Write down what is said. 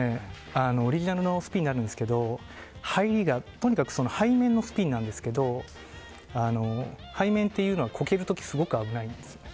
オリジナルのスピンなんですが入りがとにかく背面のスピンなんですけど背面っていうのはコケる時すごく危ないんですね。